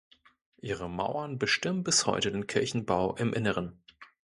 Ihre Mauern bestimmen bis heute den Kirchenbau im Inneren.